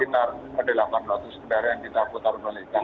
ada dua ratus an dan sekitar ada delapan ratus kendaraan yang kita putar balikan